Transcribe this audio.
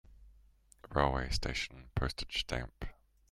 Railway station Postage stamp.